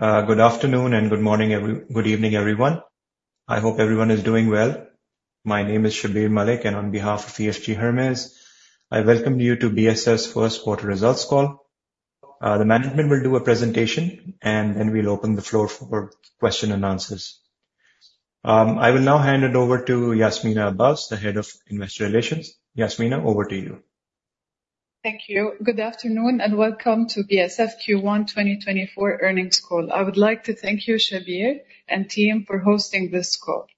Good afternoon and good morning, good evening, everyone. I hope everyone is doing well. My name is Shabbir Malik. On behalf of EFG Hermes, I welcome you to BSF's first quarter results call. The management will do a presentation. Then we'll open the floor for question and answers. I will now hand it over to Yasminah Abbas, the Head of Investor Relations. Yasmina, over to you. Thank you. Good afternoon and welcome to BSF Q1 2024 earnings call. I would like to thank you, Shabbir and team, for hosting this call.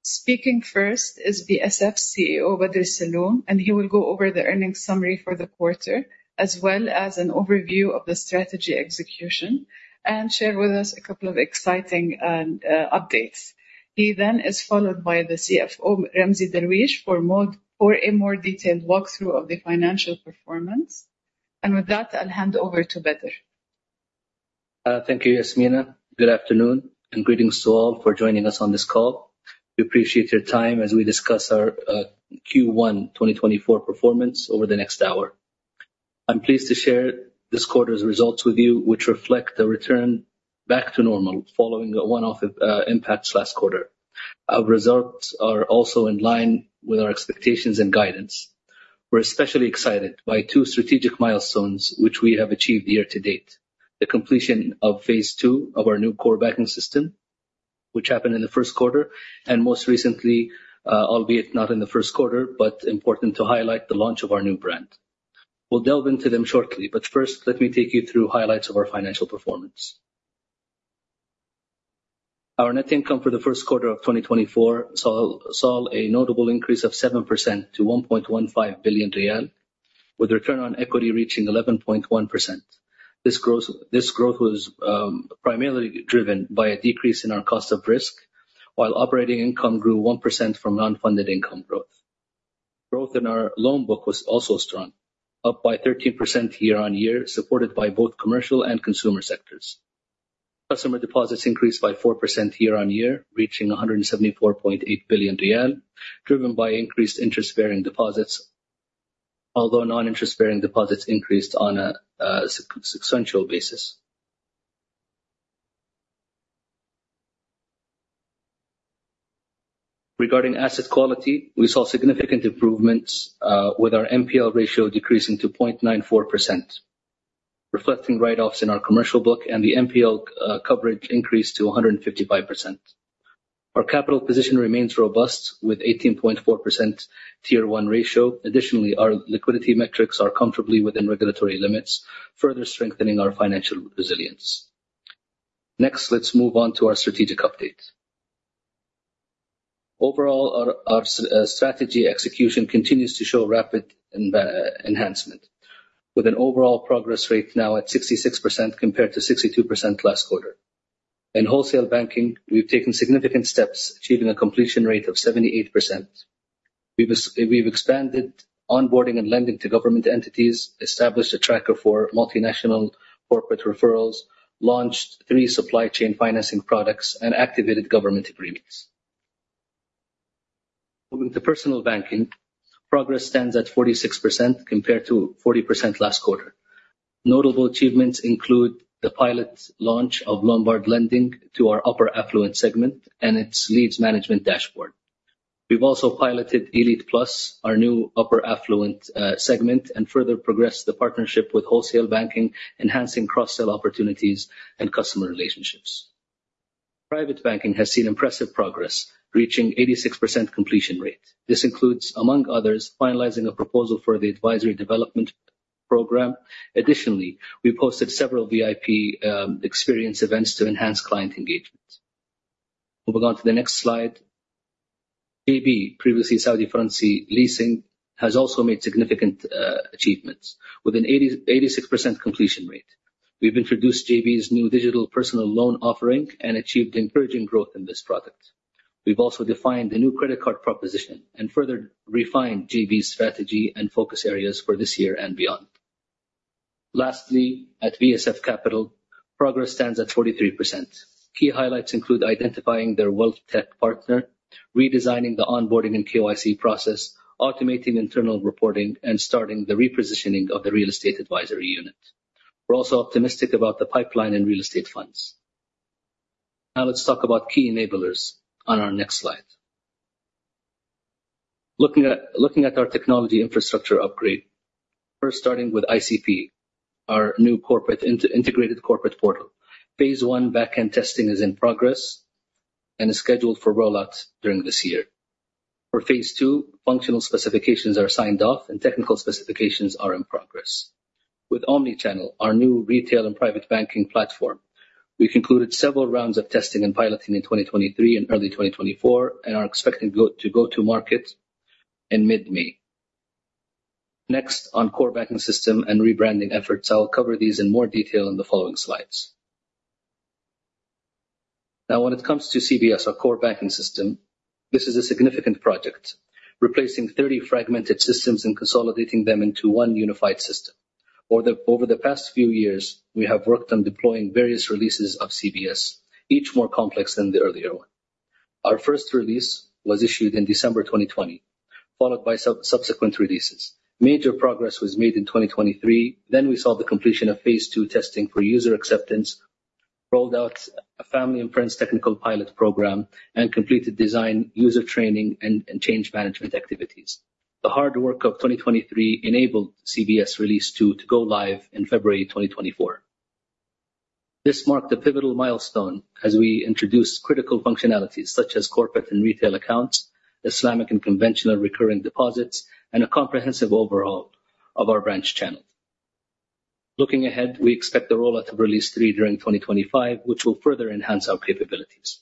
Speaking first is BSF CEO, Bader Alsalloom. He will go over the earnings summary for the quarter, as well as an overview of the strategy execution, and share with us a couple of exciting updates. He then is followed by the CFO, Ramzy Darwish, for a more detailed walkthrough of the financial performance. With that, I'll hand over to Bader. Thank you, Yasmina. Good afternoon and greetings to all for joining us on this call. We appreciate your time as we discuss our Q1 2024 performance over the next hour. I'm pleased to share this quarter's results with you, which reflect a return back to normal following one-off impacts last quarter. Our results are also in line with our expectations and guidance. We're especially excited by two strategic milestones, which we have achieved year to date. The completion of phase 2 of our new core banking system, which happened in the first quarter. Most recently, albeit not in the first quarter, important to highlight the launch of our new brand. We'll delve into them shortly. First, let me take you through highlights of our financial performance. Our net income for the first quarter of 2024 saw a notable increase of 7% to 1.15 billion riyal, with return on equity reaching 11.1%. This growth was primarily driven by a decrease in our cost of risk, while operating income grew 1% from non-funded income growth. Growth in our loan book was also strong, up by 13% year on year, supported by both commercial and consumer sectors. Customer deposits increased by 4% year on year, reaching 174.8 billion riyal, driven by increased interest-bearing deposits, although non-interest-bearing deposits increased on a substantial basis. Regarding asset quality, we saw significant improvements with our NPL ratio decreasing to 0.94%, reflecting write-offs in our commercial book. The NPL coverage increased to 155%. Our capital position remains robust, with 18.4% Tier 1 ratio. Our liquidity metrics are comfortably within regulatory limits, further strengthening our financial resilience. Let's move on to our strategic updates. Overall, our strategy execution continues to show rapid enhancement with an overall progress rate now at 66% compared to 62% last quarter. In wholesale banking, we've taken significant steps, achieving a completion rate of 78%. We've expanded onboarding and lending to government entities, established a tracker for multinational corporate referrals, launched three supply chain financing products, and activated government agreements. Moving to personal banking, progress stands at 46% compared to 40% last quarter. Notable achievements include the pilot launch of Lombard lending to our upper affluent segment and its leads management dashboard. We've also piloted Elite Plus, our new upper affluent segment, and further progressed the partnership with wholesale banking, enhancing cross-sell opportunities and customer relationships. Private banking has seen impressive progress, reaching 86% completion rate. This includes, among others, finalizing a proposal for the advisory development program. We posted several VIP experience events to enhance client engagement. Moving on to the next slide. JB, previously Saudi Fransi Leasing, has also made significant achievements with an 86% completion rate. We've introduced JB's new digital personal loan offering and achieved encouraging growth in this product. We've also defined a new credit card proposition and further refined JB's strategy and focus areas for this year and beyond. At BSF Capital, progress stands at 43%. Key highlights include identifying their wealthtech partner, redesigning the onboarding and KYC process, automating internal reporting, and starting the repositioning of the real estate advisory unit. We're also optimistic about the pipeline and real estate funds. Let's talk about key enablers on our next slide. Looking at our technology infrastructure upgrade. Starting with ICP, our new integrated corporate portal. Phase 1 backend testing is in progress and is scheduled for rollout during this year. For phase 2, functional specifications are signed off and technical specifications are in progress. With omnichannel, our new retail and private banking platform, we concluded several rounds of testing and piloting in 2023 and early 2024 and are expecting to go to market in mid-May. On core banking system and rebranding efforts. I'll cover these in more detail in the following slides. When it comes to CBS, our core banking system, this is a significant project replacing 30 fragmented systems and consolidating them into one unified system. Over the past few years, we have worked on deploying various releases of CBS, each more complex than the earlier one Our first release was issued in December 2020, followed by subsequent releases. Major progress was made in 2023. We saw the completion of phase 2 testing for user acceptance, rolled out a family and friends technical pilot program, and completed design, user training, and change management activities. The hard work of 2023 enabled CBS Release 2 to go live in February 2024. This marked a pivotal milestone as we introduced critical functionalities such as corporate and retail accounts, Islamic and conventional recurring deposits, and a comprehensive overhaul of our branch channel. Looking ahead, we expect the rollout of Release 3 during 2025, which will further enhance our capabilities.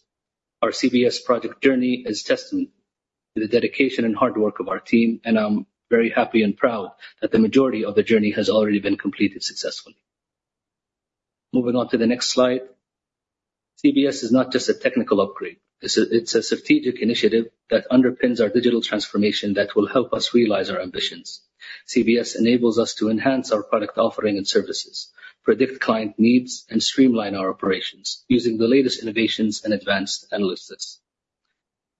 Our CBS project journey is testament to the dedication and hard work of our team, and I'm very happy and proud that the majority of the journey has already been completed successfully. Moving on to the next slide. CBS is not just a technical upgrade. It's a strategic initiative that underpins our digital transformation that will help us realize our ambitions. CBS enables us to enhance our product offering and services, predict client needs, and streamline our operations using the latest innovations and advanced analytics.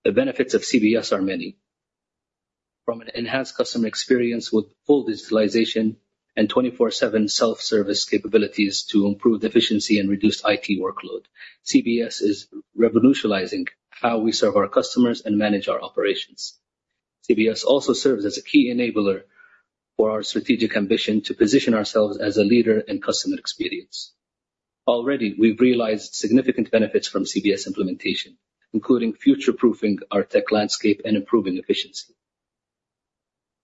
The benefits of CBS are many. From an enhanced customer experience with full digitalization and 24/7 self-service capabilities to improved efficiency and reduced IT workload, CBS is revolutionizing how we serve our customers and manage our operations. CBS also serves as a key enabler for our strategic ambition to position ourselves as a leader in customer experience. Already, we've realized significant benefits from CBS implementation, including future-proofing our tech landscape and improving efficiency.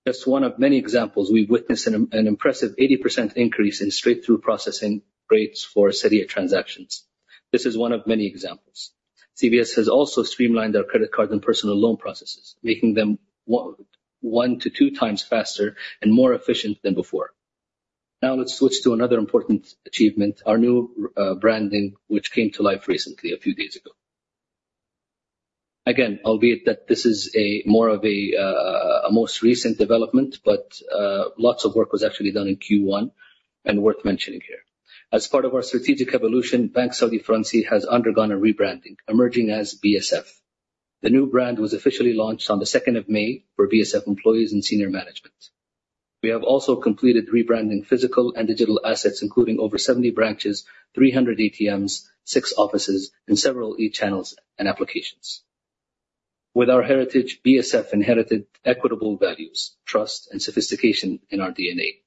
Just one of many examples, we've witnessed an impressive 80% increase in straight-through processing rates for SADAD transactions. This is one of many examples. CBS has also streamlined our credit card and personal loan processes, making them one to two times faster and more efficient than before. Now let's switch to another important achievement, our new branding, which came to life recently, a few days ago. Albeit that this is more of a most recent development, lots of work was actually done in Q1 and worth mentioning here. As part of our strategic evolution, Banque Saudi Fransi has undergone a rebranding, emerging as BSF. The new brand was officially launched on the second of May for BSF employees and senior management. We have also completed rebranding physical and digital assets, including over 70 branches, 300 ATMs, six offices, and several e-channels and applications. With our heritage, BSF inherited equitable values, trust, and sophistication in our DNA.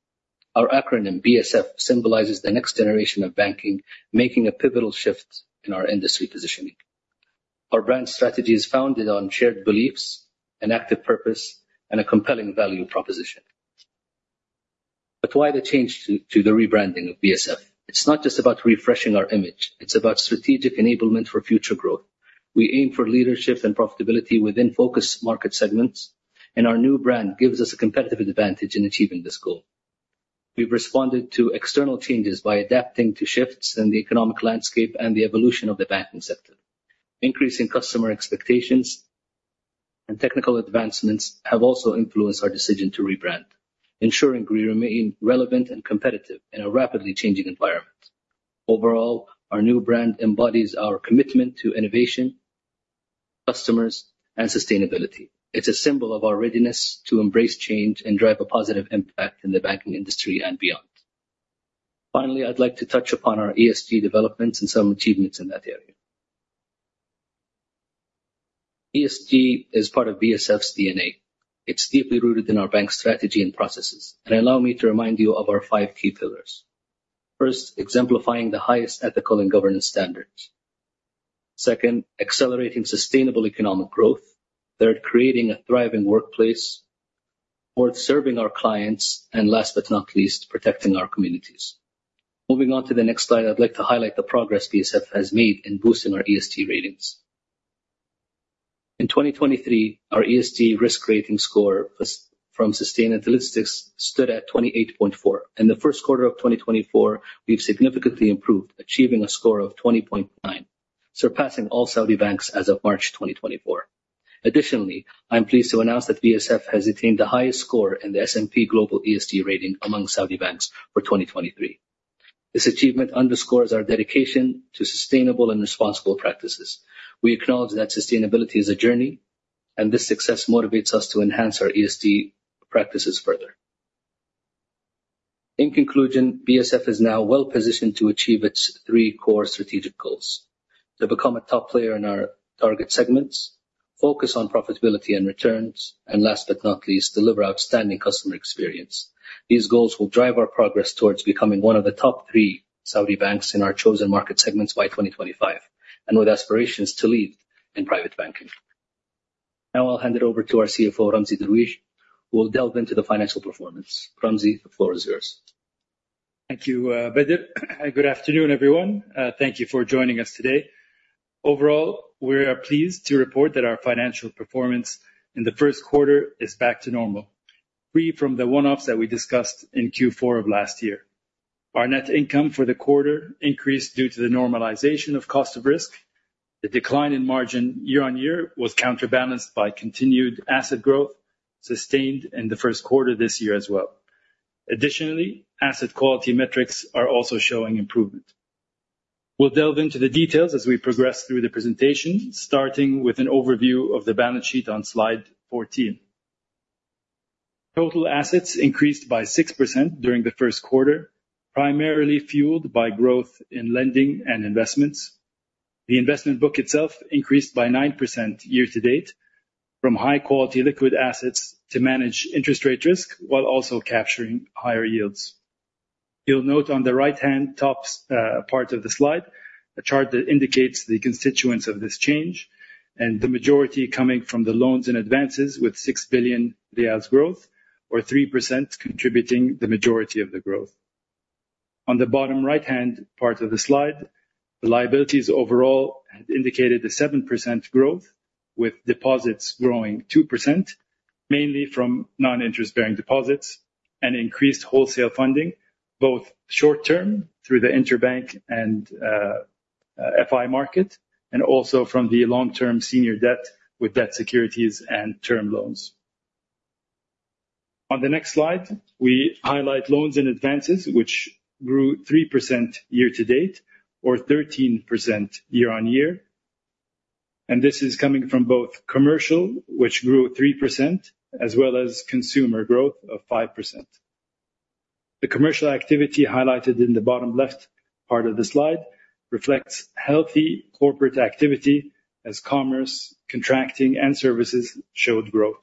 Our acronym, BSF, symbolizes the next generation of banking, making a pivotal shift in our industry positioning. Our brand strategy is founded on shared beliefs and active purpose and a compelling value proposition. Why the change to the rebranding of BSF? It's not just about refreshing our image. It's about strategic enablement for future growth. We aim for leadership and profitability within focus market segments, our new brand gives us a competitive advantage in achieving this goal. We've responded to external changes by adapting to shifts in the economic landscape and the evolution of the banking sector. Increasing customer expectations and technical advancements have also influenced our decision to rebrand, ensuring we remain relevant and competitive in a rapidly changing environment. Overall, our new brand embodies our commitment to innovation, customers, and sustainability. It's a symbol of our readiness to embrace change and drive a positive impact in the banking industry and beyond. Finally, I'd like to touch upon our ESG developments and some achievements in that area. ESG is part of BSF's DNA. It's deeply rooted in our bank strategy and processes. Allow me to remind you of our five key pillars. First, exemplifying the highest ethical and governance standards. Second, accelerating sustainable economic growth. Third, creating a thriving workplace. Fourth, serving our clients. Last but not least, protecting our communities. Moving on to the next slide, I'd like to highlight the progress BSF has made in boosting our ESG ratings. In 2023, our ESG risk rating score from Sustainalytics stood at 28.4. In the first quarter of 2024, we've significantly improved, achieving a score of 20.9, surpassing all Saudi banks as of March 2024. Additionally, I'm pleased to announce that BSF has attained the highest score in the S&P Global ESG rating among Saudi banks for 2023. This achievement underscores our dedication to sustainable and responsible practices. We acknowledge that sustainability is a journey, and this success motivates us to enhance our ESG practices further. In conclusion, BSF is now well-positioned to achieve its three core strategic goals: to become a top player in our target segments, focus on profitability and returns, and last but not least, deliver outstanding customer experience. These goals will drive our progress towards becoming one of the top three Saudi banks in our chosen market segments by 2025, and with aspirations to lead in private banking. Now I'll hand it over to our CFO, Ramzy Darwish, who will delve into the financial performance. Ramzy, the floor is yours. Thank you, Bader. Good afternoon, everyone. Thank you for joining us today. Overall, we are pleased to report that our financial performance in the first quarter is back to normal. Free from the one-offs that we discussed in Q4 of last year. Our net income for the quarter increased due to the normalization of cost of risk. The decline in margin year-on-year was counterbalanced by continued asset growth sustained in the first quarter this year as well. Additionally, asset quality metrics are also showing improvement. We'll delve into the details as we progress through the presentation, starting with an overview of the balance sheet on slide 14. Total assets increased by 6% during the first quarter, primarily fueled by growth in lending and investments. The investment book itself increased by 9% year to date from high quality liquid assets to manage interest rate risk, while also capturing higher yields. You'll note on the right-hand top part of the slide, a chart that indicates the constituents of this change, and the majority coming from the loans and advances with SAR 6 billion growth or 3% contributing the majority of the growth. On the bottom right-hand part of the slide, the liabilities overall had indicated a 7% growth, with deposits growing 2%, mainly from non-interest bearing deposits and increased wholesale funding, both short-term through the interbank and FI market, and also from the long-term senior debt with debt securities and term loans. On the next slide, we highlight loans and advances, which grew 3% year to date or 13% year-on-year. This is coming from both commercial, which grew 3%, as well as consumer growth of 5%. The commercial activity highlighted in the bottom left part of the slide reflects healthy corporate activity as commerce, contracting, and services showed growth.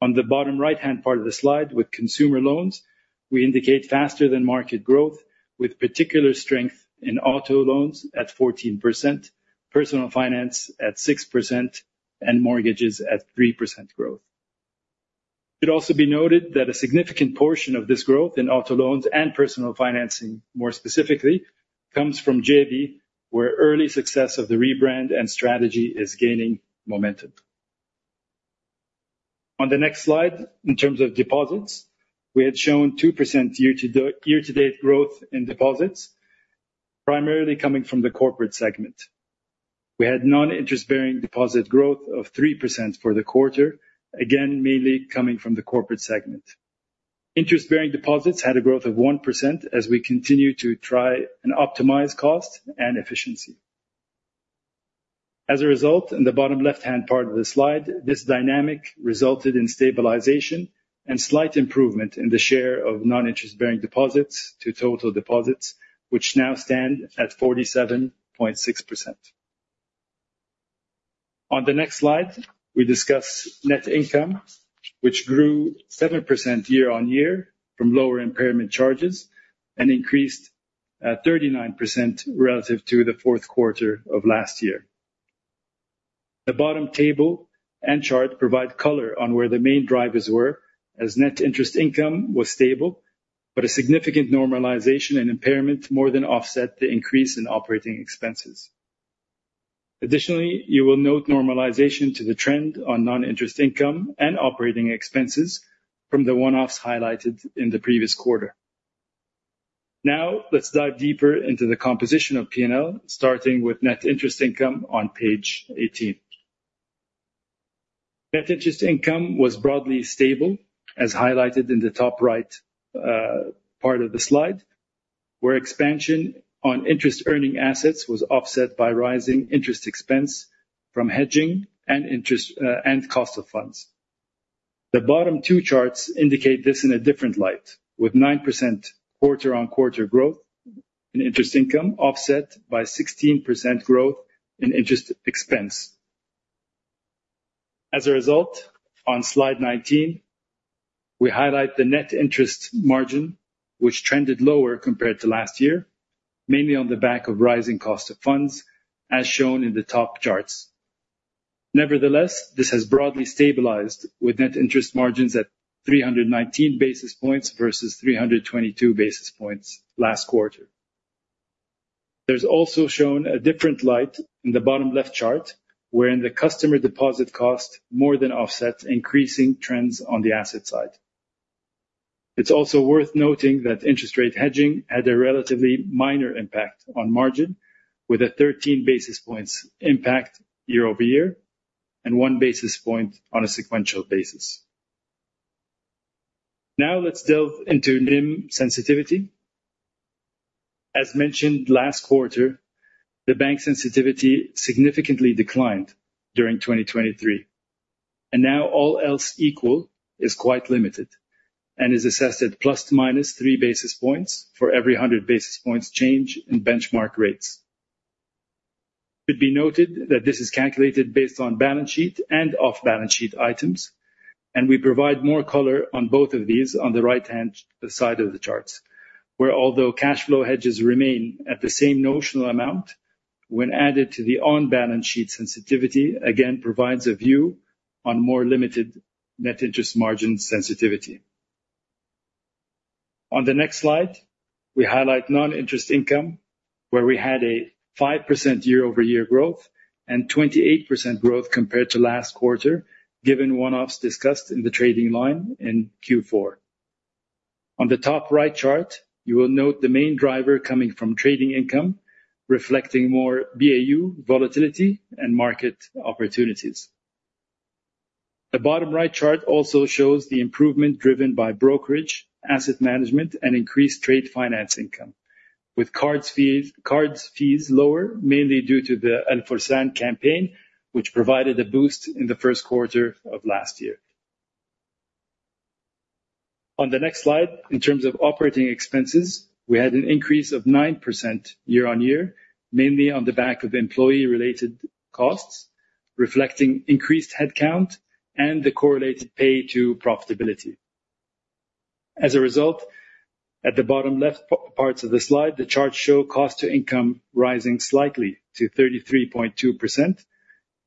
On the bottom right-hand part of the slide with consumer loans, we indicate faster than market growth with particular strength in auto loans at 14%, personal finance at 6%, and mortgages at 3% growth. It also be noted that a significant portion of this growth in auto loans and personal financing, more specifically, comes from JB, where early success of the rebrand and strategy is gaining momentum. On the next slide, in terms of deposits, we had shown 2% year-to-date growth in deposits, primarily coming from the corporate segment. We had non-interest bearing deposit growth of 3% for the quarter, again, mainly coming from the corporate segment. Interest bearing deposits had a growth of 1% as we continue to try and optimize cost and efficiency. As a result, in the bottom left-hand part of the slide, this dynamic resulted in stabilization and slight improvement in the share of non-interest bearing deposits to total deposits, which now stand at 47.6%. On the next slide, we discuss net income, which grew 7% year-on-year from lower impairment charges and increased 39% relative to the fourth quarter of last year. The bottom table and chart provide color on where the main drivers were as net interest income was stable. A significant normalization and impairment more than offset the increase in operating expenses. You will note normalization to the trend on non-interest income and operating expenses from the one-offs highlighted in the previous quarter. Let's dive deeper into the composition of P&L, starting with net interest income on page 18. Net interest income was broadly stable, as highlighted in the top right part of the slide, where expansion on interest earning assets was offset by rising interest expense from hedging and cost of funds. The bottom two charts indicate this in a different light, with 9% quarter-on-quarter growth in interest income offset by 16% growth in interest expense. As a result, on slide 19, we highlight the net interest margin, which trended lower compared to last year, mainly on the back of rising cost of funds, as shown in the top charts. Nevertheless, this has broadly stabilized with net interest margins at 319 basis points versus 322 basis points last quarter. There's also shown a different light in the bottom left chart, where in the customer deposit cost more than offsets increasing trends on the asset side. It's also worth noting that interest rate hedging had a relatively minor impact on margin with a 13 basis points impact year-over-year, and one basis point on a sequential basis. Let's delve into NIM sensitivity. As mentioned last quarter, the bank sensitivity significantly declined during 2023, and now all else equal is quite limited and is assessed at plus to minus three basis points for every 100 basis points change in benchmark rates. It could be noted that this is calculated based on balance sheet and off balance sheet items. We provide more color on both of these on the right-hand side of the charts, where although cash flow hedges remain at the same notional amount, when added to the on balance sheet sensitivity, again, provides a view on more limited net interest margin sensitivity. On the next slide, we highlight non-interest income, where we had a 5% year-over-year growth and 28% growth compared to last quarter, given one-offs discussed in the trading line in Q4. On the top right chart, you will note the main driver coming from trading income, reflecting more BAU volatility and market opportunities. The bottom right chart also shows the improvement driven by brokerage, asset management, and increased trade finance income, with cards fees lower, mainly due to the Al Forsan campaign, which provided a boost in the first quarter of last year. On the next slide, in terms of operating expenses, we had an increase of 9% year-on-year, mainly on the back of employee-related costs, reflecting increased headcount and the correlated pay to profitability. As a result, at the bottom left parts of the slide, the charts show cost to income rising slightly to 33.2%.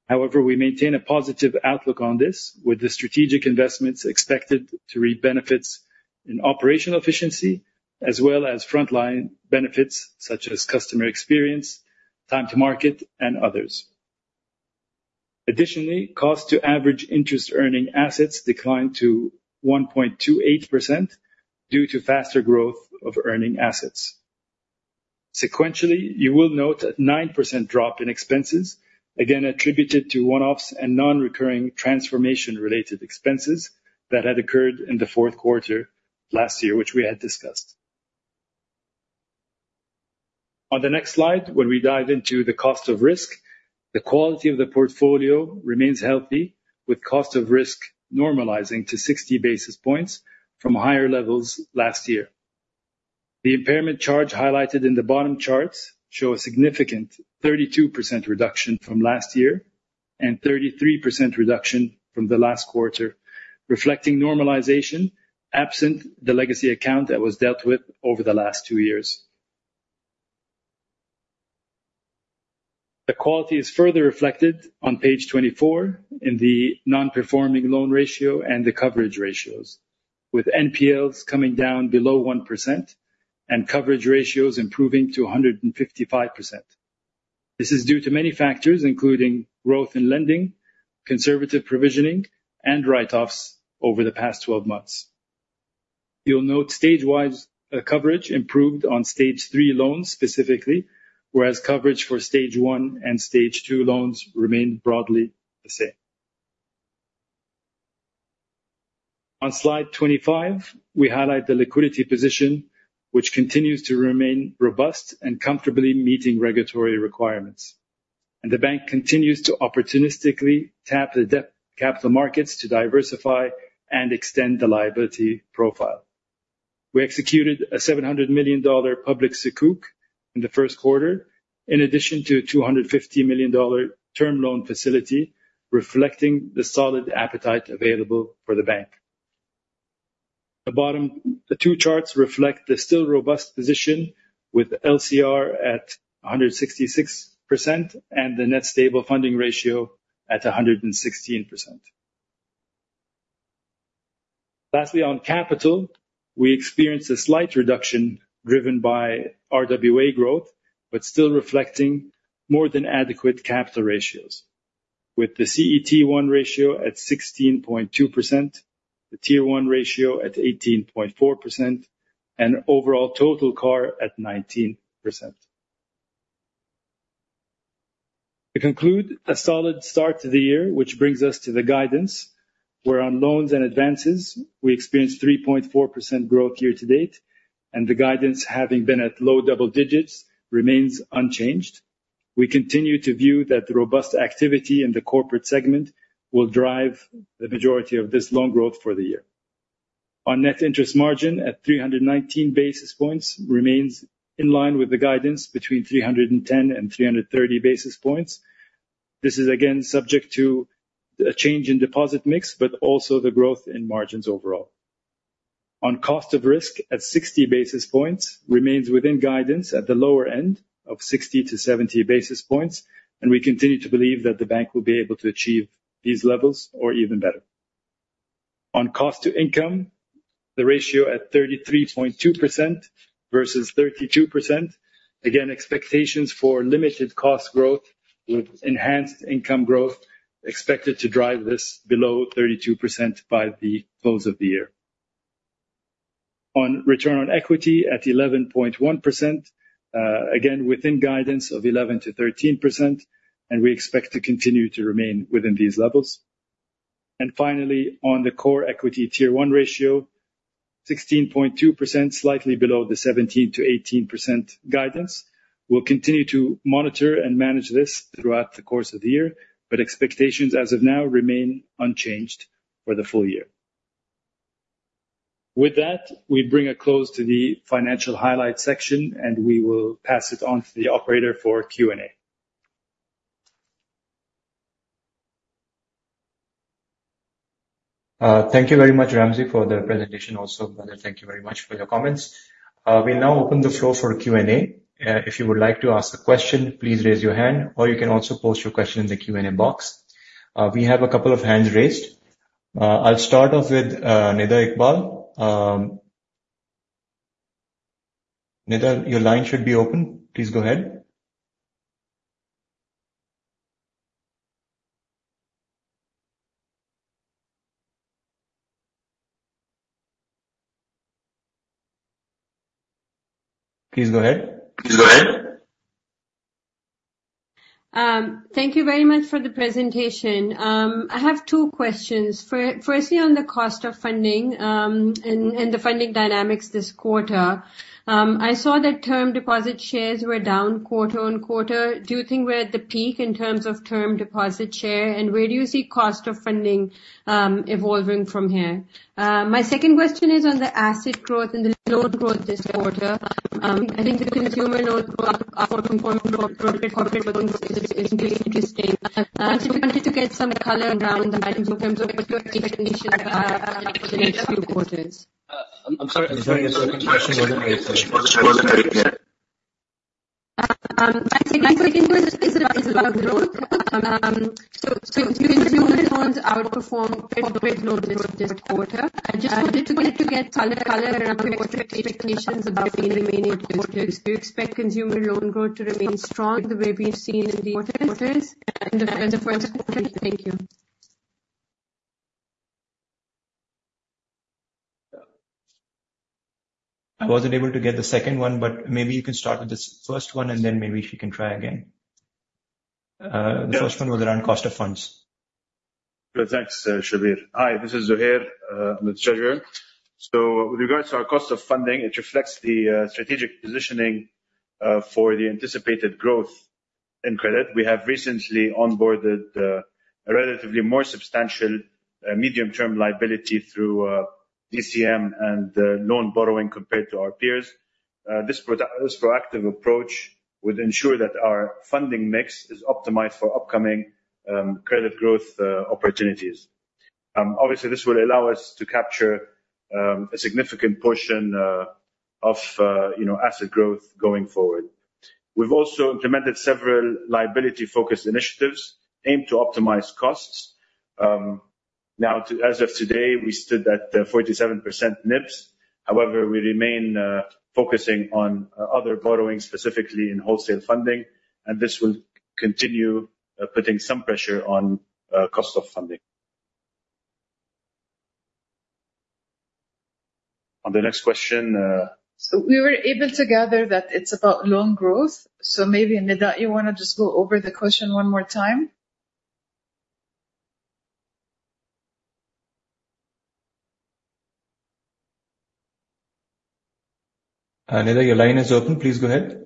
However, we maintain a positive outlook on this, with the strategic investments expected to reap benefits in operational efficiency as well as frontline benefits such as customer experience, time to market, and others. Additionally, cost to average interest earning assets declined to 1.28% due to faster growth of earning assets. Sequentially, you will note a 9% drop in expenses, again attributed to one-offs and non-recurring transformation related expenses that had occurred in the fourth quarter last year, which we had discussed. On the next slide, when we dive into the cost of risk, the quality of the portfolio remains healthy, with cost of risk normalizing to 60 basis points from higher levels last year. The impairment charge highlighted in the bottom charts show a significant 32% reduction from last year and 33% reduction from the last quarter, reflecting normalization absent the legacy account that was dealt with over the last two years. The quality is further reflected on page 24 in the non-performing loan ratio and the coverage ratios, with NPLs coming down below 1% and coverage ratios improving to 155%. This is due to many factors, including growth in lending, conservative provisioning, and write-offs over the past 12 months. You'll note stage-wise, coverage improved on stage 3 loans specifically, whereas coverage for stage 1 and stage 2 loans remained broadly the same. On slide 25, we highlight the liquidity position, which continues to remain robust and comfortably meeting regulatory requirements. The bank continues to opportunistically tap the debt capital markets to diversify and extend the liability profile. We executed a $700 million public Sukuk in the first quarter, in addition to a $250 million term loan facility reflecting the solid appetite available for the bank. The two charts reflect the still robust position with LCR at 166% and the net stable funding ratio at 116%. Lastly, on capital, we experienced a slight reduction driven by RWA growth, but still reflecting more than adequate capital ratios with the CET1 ratio at 16.2%, the Tier 1 ratio at 18.4%, and overall total CAR at 19%. To conclude, a solid start to the year, which brings us to the guidance, where on loans and advances, we experienced 3.4% growth year to date, and the guidance having been at low double digits remains unchanged. We continue to view that the robust activity in the corporate segment will drive the majority of this loan growth for the year. On net interest margin at 319 basis points remains in line with the guidance between 310 and 330 basis points. This is again subject to a change in deposit mix, but also the growth in margins overall. On cost of risk at 60 basis points remains within guidance at the lower end of 60 to 70 basis points, and we continue to believe that the bank will be able to achieve these levels or even better. On cost to income, the ratio at 33.2% versus 32%. Again, expectations for limited cost growth with enhanced income growth expected to drive this below 32% by the close of the year. On return on equity at 11.1%, again, within guidance of 11%-13%, and we expect to continue to remain within these levels. Finally, on the core equity Tier 1 ratio, 16.2%, slightly below the 17%-18% guidance. We will continue to monitor and manage this throughout the course of the year, but expectations as of now remain unchanged for the full year. With that, we bring a close to the financial highlights section. We will pass it on to the operator for Q&A. Thank you very much, Ramzy, for the presentation. Also, Mada, thank you very much for your comments. We now open the floor for Q&A. If you would like to ask a question, please raise your hand, or you can also post your question in the Q&A box. We have a couple of hands raised. I will start off with Nida Iqbal. Nida, your line should be open. Please go ahead. Please go ahead. Thank you very much for the presentation. I have two questions. Firstly, on the cost of funding, and the funding dynamics this quarter. I saw that term deposit shares were down quarter-on-quarter. Do you think we're at the peak in terms of term deposit share, and where do you see cost of funding evolving from here? My second question is on the asset growth and the loan growth this quarter. I think the consumer loan growth outperformed corporate loan growth this quarter, is really interesting. If you can get some color around that in terms of what your expectations are for the next few quarters. I'm sorry, can you repeat the second question? It wasn't very clear. My second question is about growth. Consumer loans outperformed corporate loan growth this quarter. I just wanted to get color around your expectations about the remaining quarters. Do you expect consumer loan growth to remain strong the way we've seen in the quarters? The cost of funds. Thank you. I wasn't able to get the second one, but maybe you can start with this first one, and then maybe she can try again. The first one was around cost of funds. Thanks, Shabbir. Hi, this is Zuhair. I'm the treasurer. With regards to our cost of funding, it reflects the strategic positioning for the anticipated growth in credit. We have recently onboarded a relatively more substantial medium-term liability through DCM and loan borrowing compared to our peers. This proactive approach would ensure that our funding mix is optimized for upcoming credit growth opportunities. Obviously, this will allow us to capture a significant portion of asset growth going forward. We've also implemented several liability-focused initiatives aimed to optimize costs. As of today, we stood at 47% NIBs. However, we remain focusing on other borrowings, specifically in wholesale funding, and this will continue putting some pressure on cost of funding. On the next question. We were able to gather that it's about loan growth. Maybe, Nida, you want to just go over the question one more time? Nida, your line is open. Please go ahead.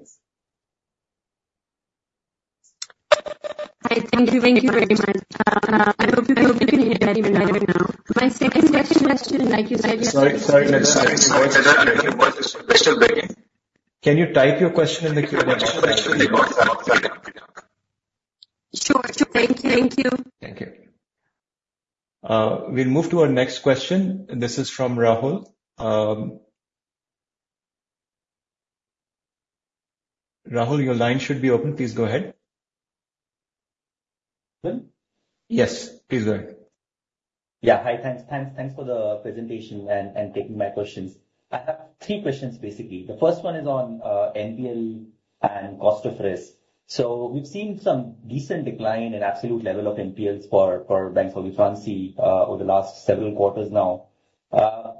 Hi. Thank you very much. I hope you can hear me very well now. My second question, like you said. Sorry, Nida. I think your voice is still breaking. Can you type your question in the Q&A box? In the question box. Sure. Thank you. Thank you. We'll move to our next question. This is from Rahul. Rahul, your line should be open. Please go ahead. Hello? Yes, please go ahead. Hi. Thanks for the presentation and taking my questions. I have three questions basically. The first one is on NPL and cost of risk. We've seen some decent decline in absolute level of NPLs for Banque Saudi Fransi over the last several quarters now.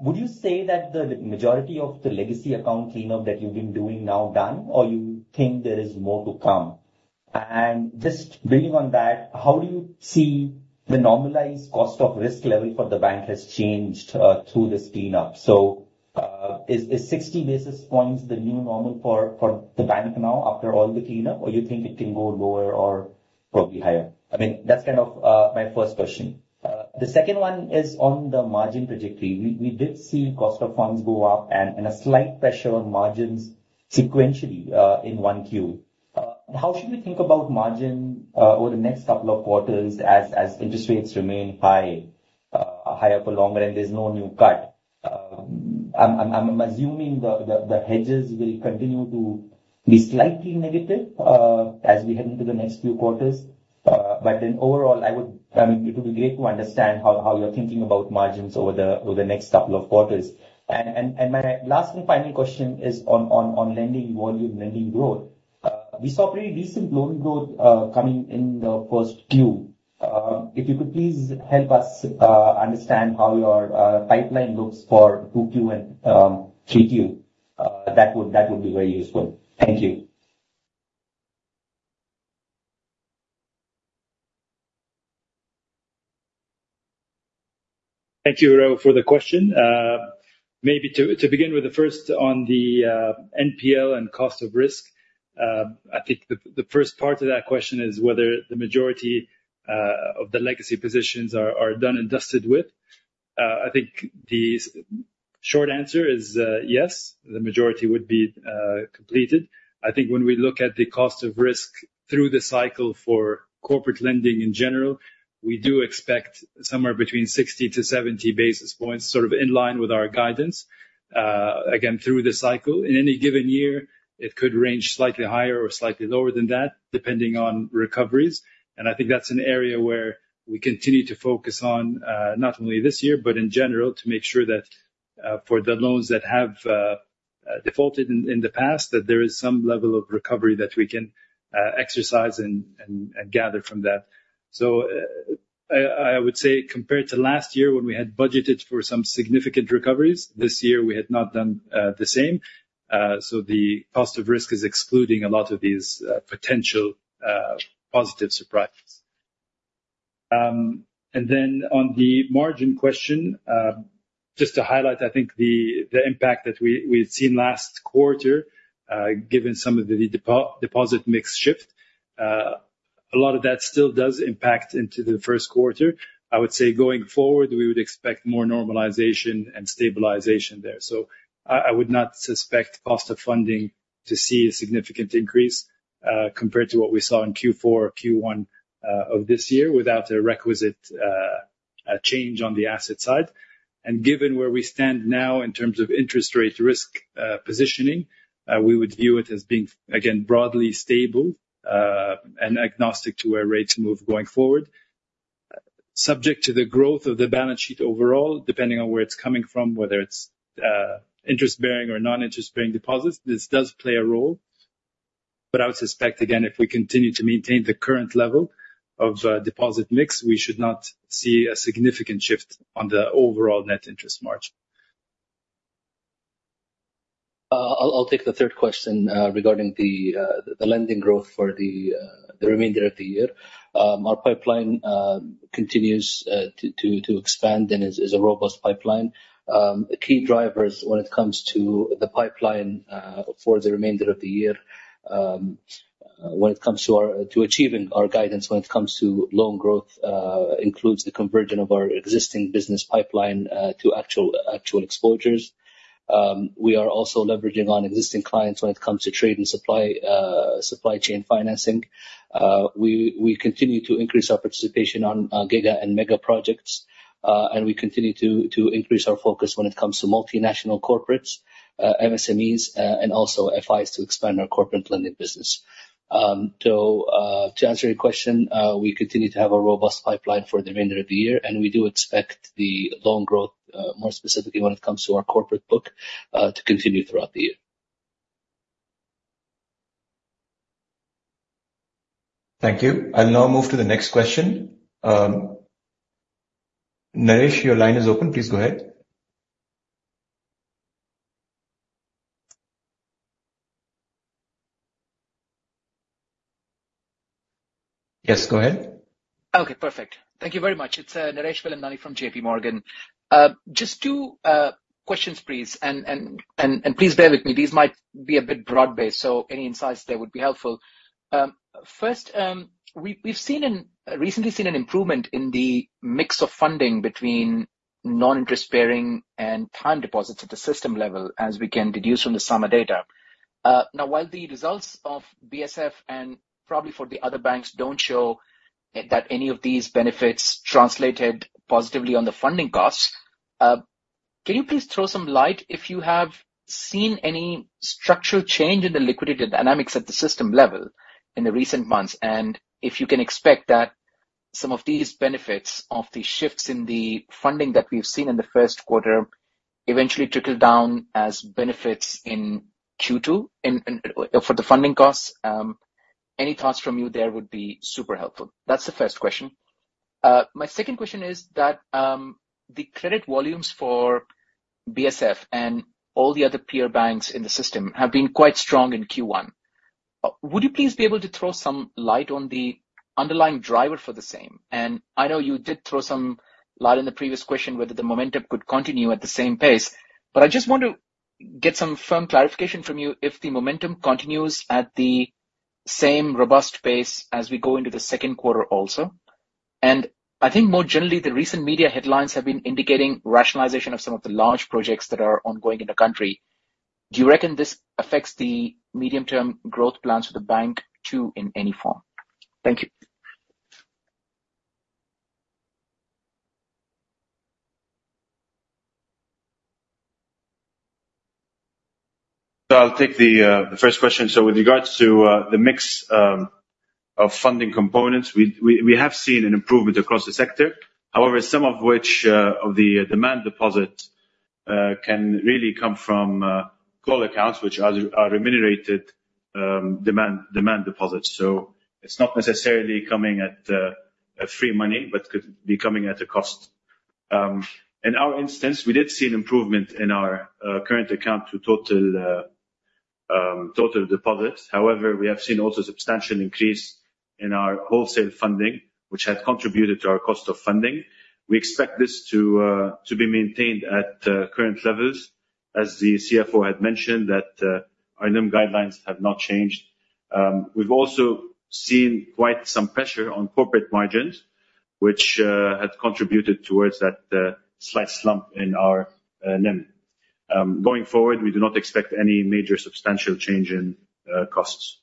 Would you say that the majority of the legacy account cleanup that you've been doing now done, or you think there is more to come? Just building on that, how do you see the normalized cost of risk level for the bank has changed, through this cleanup? Is 60 basis points the new normal for the bank now after all the cleanup, or you think it can go lower or probably higher? That's my first question. The second one is on the margin trajectory. We did see cost of funds go up and a slight pressure on margins sequentially, in one queue. How should we think about margin, over the next couple of quarters as interest rates remain high for longer and there's no new cut? I'm assuming the hedges will continue to be slightly negative, as we head into the next few quarters. Overall it would be great to understand how you're thinking about margins over the next couple of quarters. My last and final question is on lending volume, lending growth. We saw pretty decent loan growth coming in the first queue. If you could please help us understand how your pipeline looks for two queue and three queue. That would be very useful. Thank you. Thank you, Rahul, for the question. To begin with the first on the NPL and cost of risk. I think the first part of that question is whether the majority of the legacy positions are done and dusted with. I think the short answer is yes, the majority would be completed. I think when we look at the cost of risk through the cycle for corporate lending in general, we do expect somewhere between 60 to 70 basis points, sort of in line with our guidance. Again, through the cycle. In any given year, it could range slightly higher or slightly lower than that, depending on recoveries. I think that's an area where we continue to focus on, not only this year, but in general, to make sure that for the loans that have Defaulted in the past, that there is some level of recovery that we can exercise and gather from that. I would say compared to last year, when we had budgeted for some significant recoveries, this year, we had not done the same. The cost of risk is excluding a lot of these potential positive surprises. Then on the margin question, just to highlight, I think the impact that we had seen last quarter, given some of the deposit mix shift, a lot of that still does impact into the first quarter. I would say going forward, we would expect more normalization and stabilization there. I would not suspect cost of funding to see a significant increase, compared to what we saw in Q4 or Q1 of this year, without a requisite change on the asset side. Given where we stand now in terms of interest rate risk positioning, we would view it as being, again, broadly stable, and agnostic to where rates move going forward. Subject to the growth of the balance sheet overall, depending on where it's coming from, whether it's interest-bearing or non-interest-bearing deposits, this does play a role. I would suspect, again, if we continue to maintain the current level of deposit mix, we should not see a significant shift on the overall net interest margin. I'll take the third question, regarding the lending growth for the remainder of the year. Our pipeline continues to expand and is a robust pipeline. Key drivers when it comes to the pipeline, for the remainder of the year, when it comes to achieving our guidance, when it comes to loan growth, includes the conversion of our existing business pipeline, to actual exposures. We are also leveraging on existing clients when it comes to trade and supply chain financing. We continue to increase our participation on giga and mega projects. We continue to increase our focus when it comes to multinational corporates, MSMEs, and also FIs to expand our corporate lending business. To answer your question, we continue to have a robust pipeline for the remainder of the year, and we do expect the loan growth, more specifically when it comes to our corporate book, to continue throughout the year. Thank you. I'll now move to the next question. Naresh, your line is open. Please go ahead. Yes, go ahead. Okay, perfect. Thank you very much. It's Naresh Velamani from J.P. Morgan. Just two questions, please. Please bear with me, these might be a bit broad-based, so any insights there would be helpful. First, we've recently seen an improvement in the mix of funding between non-interest bearing and time deposits at the system level, as we can deduce from the SAMA data. While the results of BSF, and probably for the other banks, don't show that any of these benefits translated positively on the funding costs, can you please throw some light if you have seen any structural change in the liquidity dynamics at the system level in the recent months? If you can expect that some of these benefits of the shifts in the funding that we've seen in the first quarter eventually trickle down as benefits in Q2 for the funding costs? Any thoughts from you there would be super helpful. That's the first question. My second question is that the credit volumes for BSF and all the other peer banks in the system have been quite strong in Q1. Would you please be able to throw some light on the underlying driver for the same? I know you did throw some light on the previous question whether the momentum could continue at the same pace. I just want to get some firm clarification from you if the momentum continues at the same robust pace as we go into the second quarter also. I think more generally, the recent media headlines have been indicating rationalization of some of the large projects that are ongoing in the country. Do you reckon this affects the medium-term growth plans for the bank too in any form? Thank you. I'll take the first question. With regards to the mix of funding components, we have seen an improvement across the sector. However, some of which of the demand deposit can really come from call accounts, which are remunerated demand deposits. It's not necessarily coming at free money, but could be coming at a cost. In our instance, we did see an improvement in our current account to total deposits. However, we have seen also substantial increase in our wholesale funding, which had contributed to our cost of funding. We expect this to be maintained at current levels, as the CFO had mentioned that our NIM guidelines have not changed. We've also seen quite some pressure on corporate margins, which had contributed towards that slight slump in our NIM. Going forward, we do not expect any major substantial change in costs.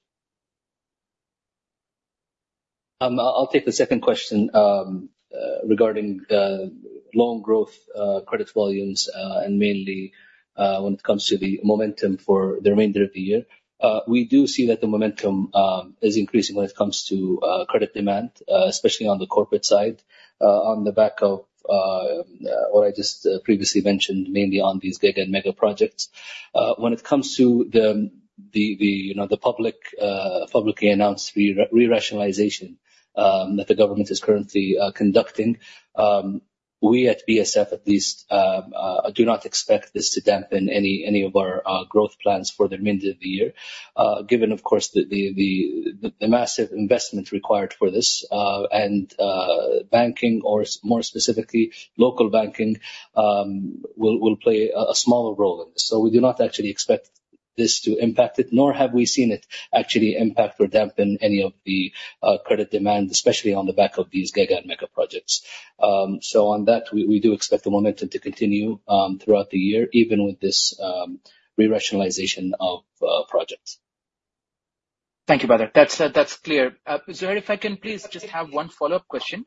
I'll take the second question, regarding loan growth, credit volumes, and mainly when it comes to the momentum for the remainder of the year. We do see that the momentum is increasing when it comes to credit demand, especially on the corporate side, on the back of what I just previously mentioned, mainly on these giga and mega projects. When it comes to The publicly announced re-rationalization that the government is currently conducting. We, at BSF at least, do not expect this to dampen any of our growth plans for the remainder of the year, given, of course, the massive investment required for this and banking, or more specifically, local banking, will play a smaller role in this. We do not actually expect this to impact it, nor have we seen it actually impact or dampen any of the credit demand, especially on the back of these giga and mega projects. On that, we do expect the momentum to continue throughout the year, even with this re-rationalization of projects. Thank you, Badran. That's clear. Ziad, if I can please just have one follow-up question.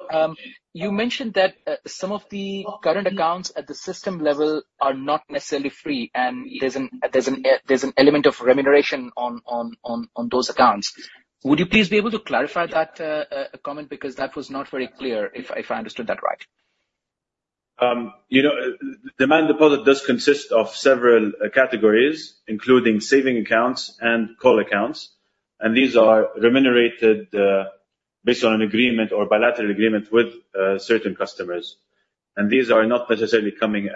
You mentioned that some of the current accounts at the system level are not necessarily free, and there's an element of remuneration on those accounts. Would you please be able to clarify that comment? Because that was not very clear, if I understood that right. Demand deposit does consist of several categories, including saving accounts and call accounts, and these are remunerated based on an agreement or bilateral agreement with certain customers. These are not necessarily coming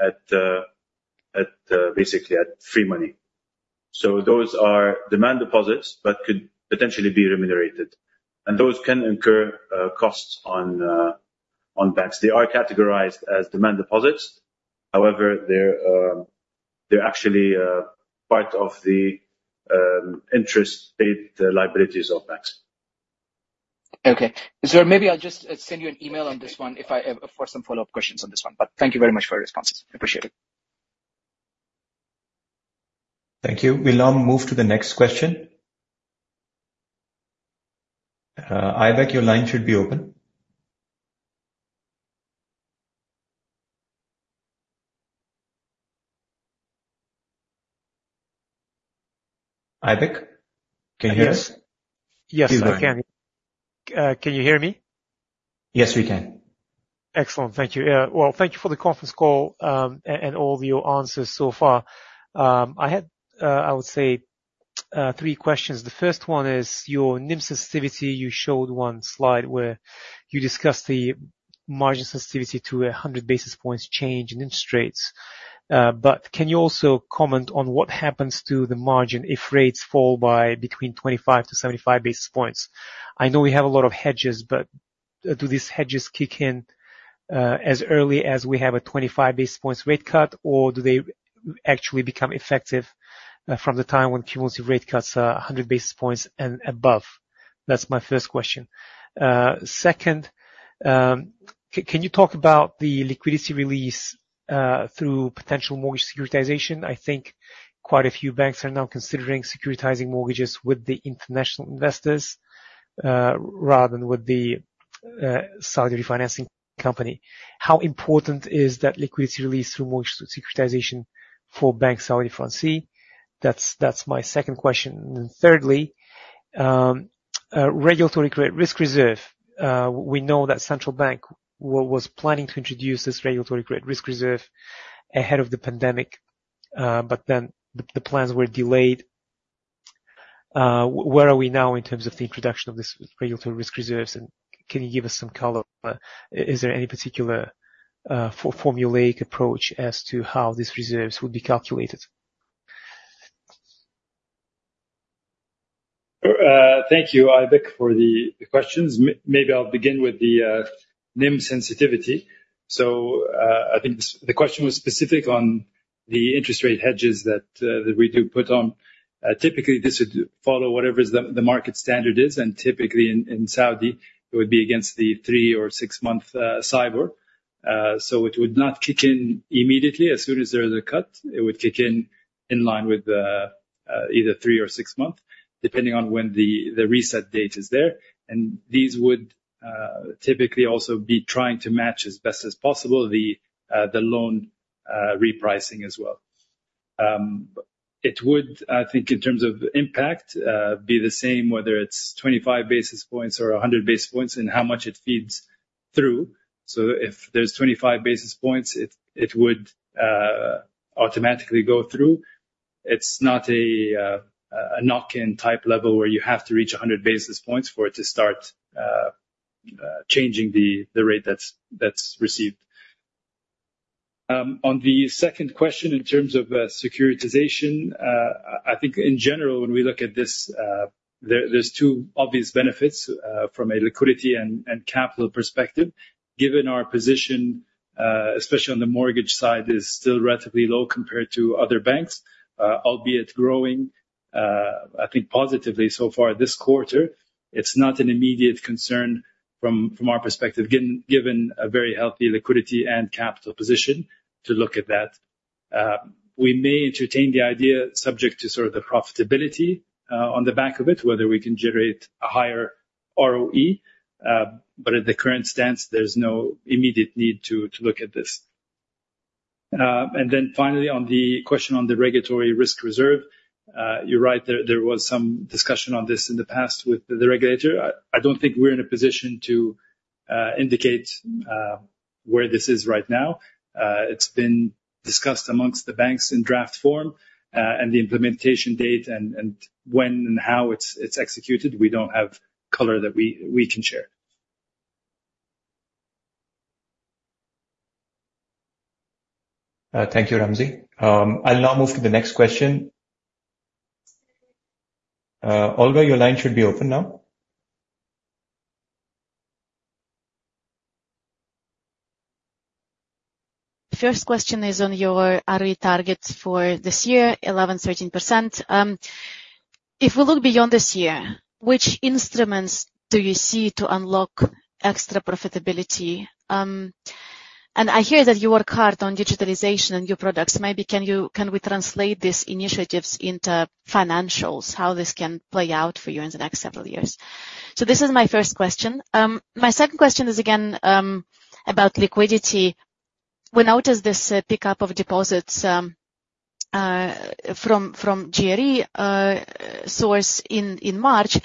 basically at free money. Those are demand deposits but could potentially be remunerated, and those can incur costs on banks. They are categorized as demand deposits. However, they're actually part of the interest paid liabilities of banks. Okay. Ziad, maybe I'll just send you an email on this one for some follow-up questions on this one. Thank you very much for your responses. I appreciate it. Thank you. We'll now move to the next question. Aibek, your line should be open. Aibek, can you hear us? Yes, I can. Please go ahead. Can you hear me? Yes, we can. Excellent. Thank you. Well, thank you for the conference call, and all your answers so far. I had, I would say, three questions. The first one is your NIM sensitivity. You showed one slide where you discussed the margin sensitivity to 100 basis points change in interest rates. Can you also comment on what happens to the margin if rates fall by between 25 to 75 basis points? I know we have a lot of hedges, but do these hedges kick in as early as we have a 25 basis points rate cut, or do they actually become effective from the time when cumulative rate cuts 100 basis points and above? That's my first question. Second, can you talk about the liquidity release through potential mortgage securitization? I think quite a few banks are now considering securitizing mortgages with the international investors rather than with the Saudi Refinance Company. How important is that liquidity release through mortgage securitization for Banque Saudi Fransi? That's my second question. Thirdly, regulatory credit risk reserve. We know that Saudi Central Bank was planning to introduce this regulatory credit risk reserve ahead of the pandemic, the plans were delayed. Where are we now in terms of the introduction of this regulatory risk reserves, and can you give us some color? Is there any particular formulaic approach as to how these reserves would be calculated? Thank you, Aibek, for the questions. Maybe I'll begin with the NIM sensitivity. I think the question was specific on the interest rate hedges that we do put on. Typically, this would follow whatever the market standard is, and typically in Saudi, it would be against the three or six-month SAIBOR. It would not kick in immediately as soon as there is a cut. It would kick in in line with either three or six months, depending on when the reset date is there. These would typically also be trying to match as best as possible the loan repricing as well. It would, I think, in terms of impact, be the same, whether it's 25 basis points or 100 basis points in how much it feeds through. If there's 25 basis points, it would automatically go through. It's not a knock-in type level where you have to reach 100 basis points for it to start changing the rate that's received. On the second question, in terms of securitization, I think in general, when we look at this, there's two obvious benefits from a liquidity and capital perspective. Given our position, especially on the mortgage side, is still relatively low compared to other banks, albeit growing, I think, positively so far this quarter. It's not an immediate concern from our perspective, given a very healthy liquidity and capital position to look at that. We may entertain the idea subject to sort of the profitability on the back of it, whether we can generate a higher ROE. At the current stance, there's no immediate need to look at this. Finally, on the question on the regulatory risk reserve. You're right. There was some discussion on this in the past with the regulator. I don't think we're in a position to indicate Where this is right now, it's been discussed amongst the banks in draft form, the implementation date and when and how it's executed, we don't have color that we can share. Thank you, Ramzy. I'll now move to the next question. Olga, your line should be open now. First question is on your ROE targets for this year, 11%, 13%. If we look beyond this year, which instruments do you see to unlock extra profitability? I hear that you work hard on digitalization and your products. Maybe can we translate these initiatives into financials, how this can play out for you in the next several years? This is my first question. My second question is again, about liquidity. We noticed this pickup of deposits from GRE source in March.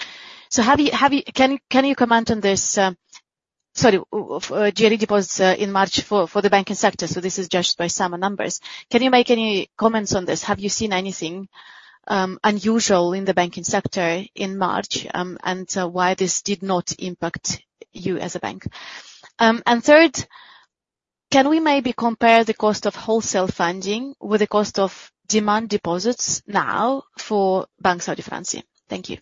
Can you comment on GRE deposits in March for the banking sector, this is judged by some numbers. Can you make any comments on this? Have you seen anything unusual in the banking sector in March, why this did not impact you as a bank? Third, can we maybe compare the cost of wholesale funding with the cost of demand deposits now for Banque Saudi Fransi? Thank you.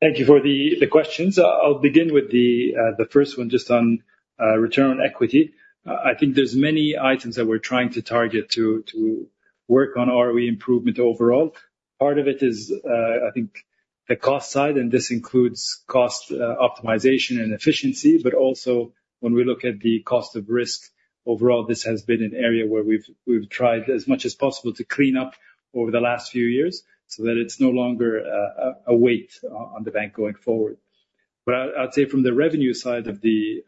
Thank you for the questions. I'll begin with the first one just on return on equity. I think there's many items that we're trying to target to work on ROE improvement overall. Part of it is, I think, the cost side. This includes cost optimization and efficiency. When we look at the cost of risk, overall, this has been an area where we've tried as much as possible to clean up over the last few years so that it's no longer a weight on the bank going forward. I'd say from the revenue side of the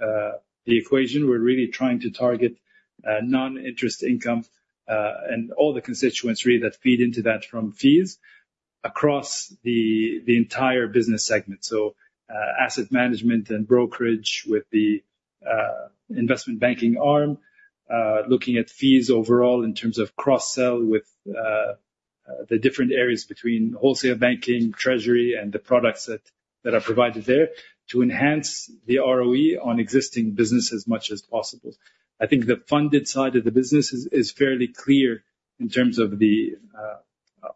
equation, we're really trying to target non-interest income, and all the constituents really that feed into that from fees across the entire business segment. Asset management and brokerage with the investment banking arm, looking at fees overall in terms of cross-sell with the different areas between wholesale banking, treasury, and the products that are provided there to enhance the ROE on existing business as much as possible. I think the funded side of the business is fairly clear in terms of the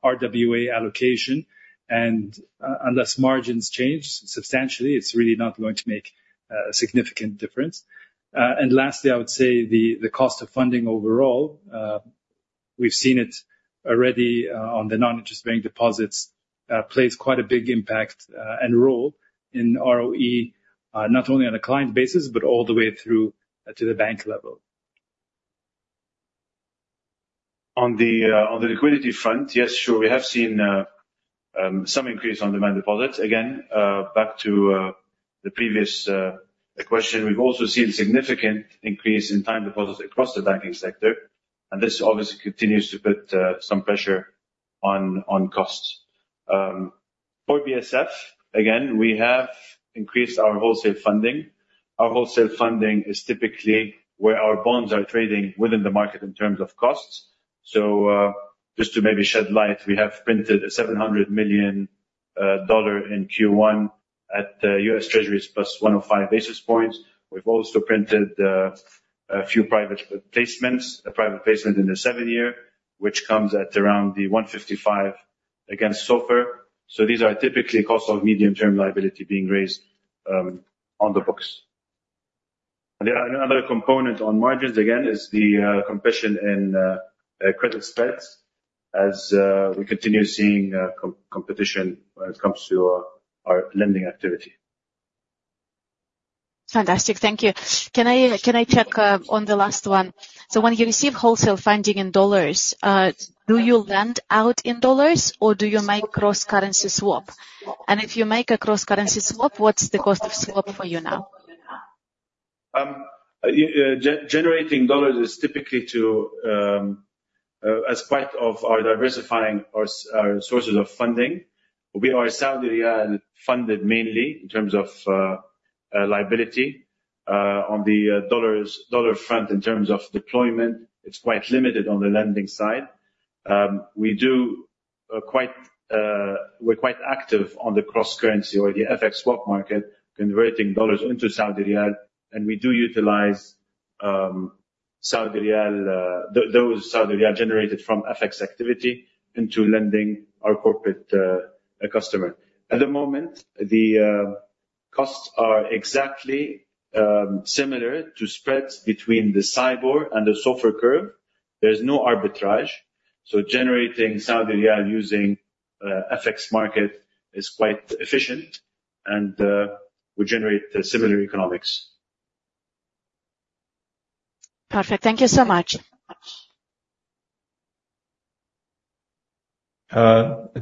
RWA allocation. Unless margins change substantially, it's really not going to make a significant difference. Lastly, I would say the cost of funding overall, we've seen it already on the non-interest bearing deposits, plays quite a big impact and role in ROE, not only on a client basis, but all the way through to the bank level. On the liquidity front, yes, sure, we have seen some increase on demand deposits. Again, back to the previous question, we've also seen significant increase in time deposits across the banking sector. This obviously continues to put some pressure on costs. For BSF, again, we have increased our wholesale funding. Our wholesale funding is typically where our bonds are trading within the market in terms of costs. Just to maybe shed light, we have printed a $700 million in Q1 at US Treasuries plus 105 basis points. We've also printed a few private placements, a private placement in the 7-year, which comes at around the 155 against SOFR. These are typically cost of medium-term liability being raised on the books. There are another component on margins, again, is the compression in credit spreads as we continue seeing competition when it comes to our lending activity. Fantastic. Thank you. Can I check on the last one? When you receive wholesale funding in U.S. dollars, do you lend out in U.S. dollars or do you make cross-currency swap? If you make a cross-currency swap, what's the cost of swap for you now? Generating USD is typically as part of our diversifying our sources of funding. We are SAR funded mainly in terms of liability. On the USD front, in terms of deployment, it is quite limited on the lending side. We are quite active on the cross-currency or the FX swap market, converting USD into SAR, and we do utilize those SAR generated from FX activity into lending our corporate customer. At the moment, the costs are exactly similar to spreads between the SAIBOR and the SOFR curve. There is no arbitrage. Generating SAR using FX market is quite efficient and would generate similar economics. Perfect. Thank you so much.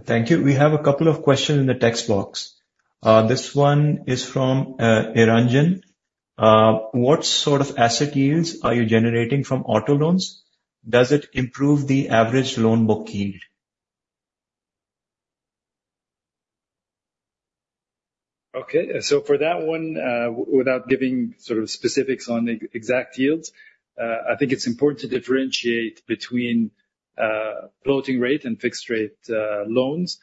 Thank you. We have a couple of questions in the text box. This one is from Erangen. What sort of asset yields are you generating from auto loans? Does it improve the average loan book yield? Okay. For that one, without giving specifics on the exact yields, I think it is important to differentiate between floating rate and fixed rate loans.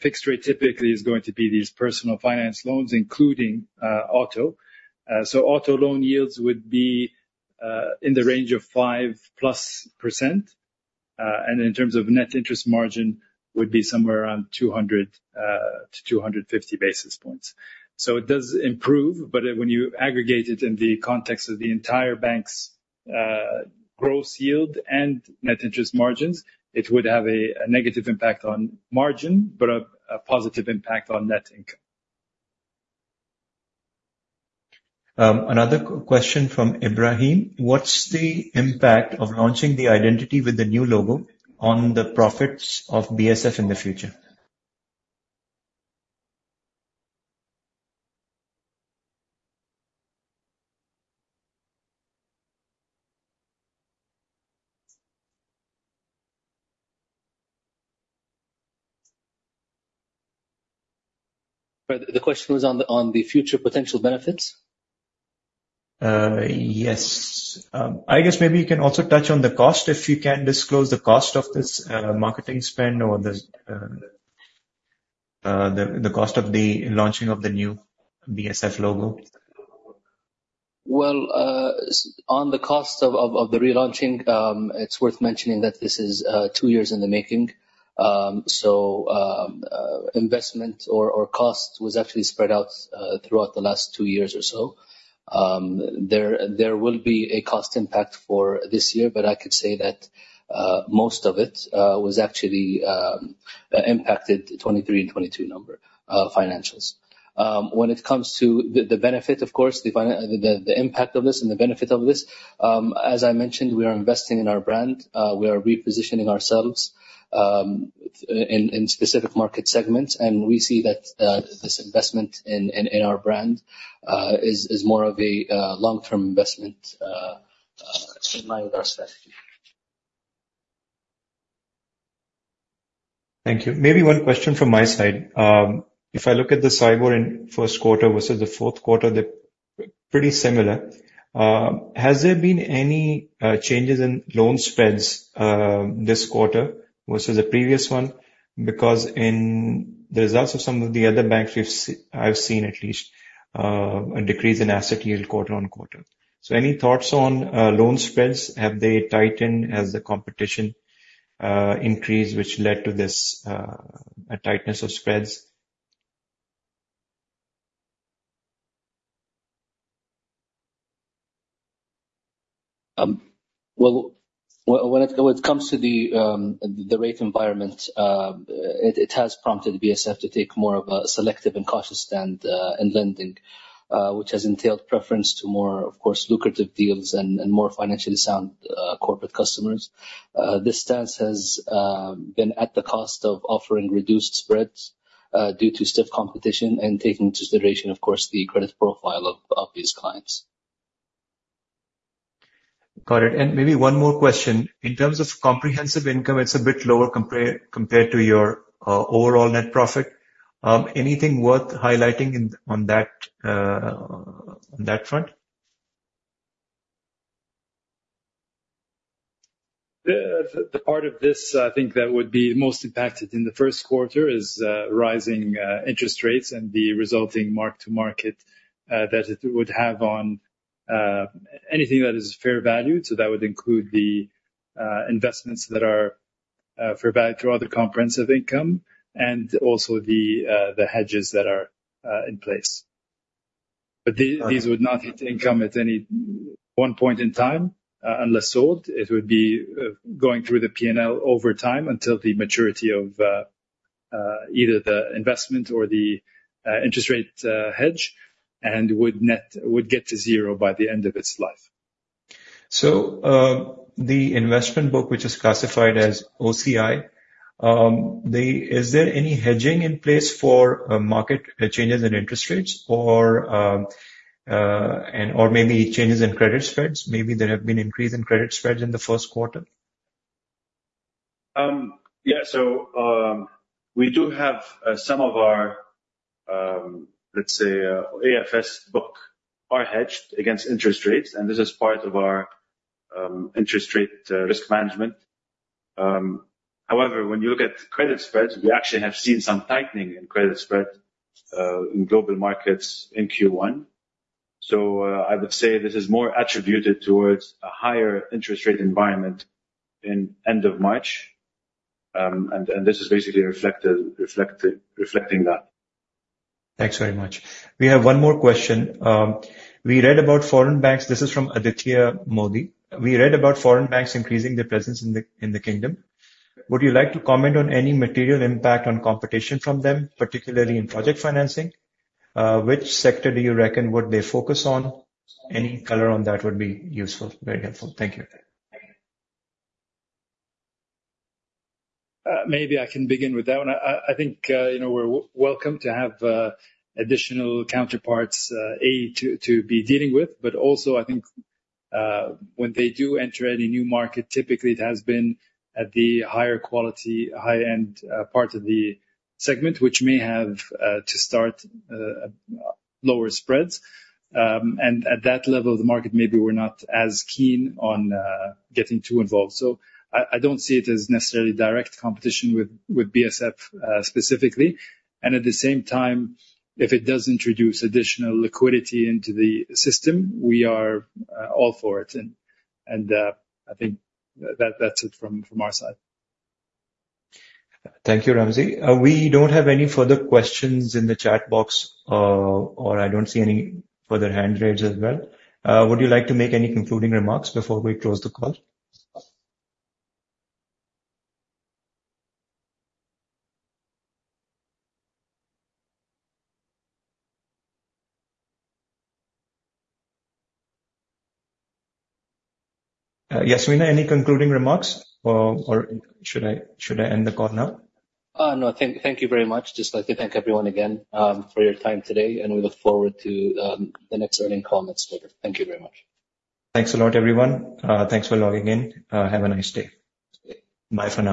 Fixed rate typically is going to be these personal finance loans, including auto. Auto loan yields would be in the range of 5 plus %, and in terms of net interest margin, would be somewhere around 200-250 basis points. It does improve, but when you aggregate it in the context of the entire bank's gross yield and net interest margins, it would have a negative impact on margin, but a positive impact on net income. Another question from Ibrahim. What's the impact of launching the identity with the new logo on the profits of BSF in the future? The question was on the future potential benefits? Yes. I guess maybe you can also touch on the cost if you can disclose the cost of this marketing spend or the cost of the launching of the new BSF logo. Well, on the cost of the relaunching, it's worth mentioning that this is two years in the making. Investment or cost was actually spread out throughout the last two years or so. There will be a cost impact for this year, I could say that most of it was actually impacted 2023 and 2022 number, financials. When it comes to the benefit, of course, the impact of this and the benefit of this, as I mentioned, we are investing in our brand. We are repositioning ourselves in specific market segments, we see that this investment in our brand is more of a long-term investment in line with our strategy. Thank you. Maybe one question from my side. If I look at the SAIBOR in first quarter versus the fourth quarter, they're pretty similar. Has there been any changes in loan spreads this quarter versus the previous one? Because in the results of some of the other banks we've seen, I've seen at least, a decrease in asset yield quarter-on-quarter. Any thoughts on loan spreads? Have they tightened as the competition increased, which led to this tightness of spreads? Well, when it comes to the rate environment, it has prompted BSF to take more of a selective and cautious stand in lending, which has entailed preference to more, of course, lucrative deals and more financially sound corporate customers. This stance has been at the cost of offering reduced spreads due to stiff competition and taking into consideration, of course, the credit profile of these clients. Got it. Maybe one more question. In terms of comprehensive income, it's a bit lower compared to your overall net profit. Anything worth highlighting on that front? The part of this, I think that would be most impacted in the first quarter is rising interest rates and the resulting mark to market that it would have on anything that is fair valued. That would include the investments that are fair valued throughout the comprehensive income and also the hedges that are in place. These would not hit income at any one point in time unless sold. It would be going through the P&L over time until the maturity of either the investment or the interest rate hedge and would get to zero by the end of its life. The investment book, which is classified as OCI, is there any hedging in place for market changes in interest rates or maybe changes in credit spreads? Maybe there have been increase in credit spreads in the first quarter. We do have some of our, let's say, AFS book are hedged against interest rates, and this is part of our interest rate risk management. However, when you look at credit spreads, we actually have seen some tightening in credit spreads in global markets in Q1. I would say this is more attributed towards a higher interest rate environment in end of March, and this is basically reflecting that. Thanks very much. We have one more question. We read about foreign banks. This is from Aditya Modi. We read about foreign banks increasing their presence in the Kingdom. Would you like to comment on any material impact on competition from them, particularly in project financing? Which sector do you reckon would they focus on? Any color on that would be useful. Very helpful. Thank you. Maybe I can begin with that one. I think we're welcome to have additional counterparts, A, to be dealing with, but also I think, when they do enter any new market, typically it has been at the higher quality, high-end part of the segment, which may have to start lower spreads. At that level of the market, maybe we're not as keen on getting too involved. I don't see it as necessarily direct competition with BSF specifically. At the same time, if it does introduce additional liquidity into the system, we are all for it. I think that's it from our side. Thank you, Ramzy. We don't have any further questions in the chat box. I don't see any further hand raised as well. Would you like to make any concluding remarks before we close the call? Yasminah, any concluding remarks or should I end the call now? No, thank you very much. Just like to thank everyone again for your time today, and we look forward to the next earning comments quarter. Thank you very much. Thanks a lot, everyone. Thanks for logging in. Have a nice day. Okay. Bye for now